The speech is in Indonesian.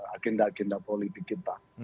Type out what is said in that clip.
agenda agenda politik kita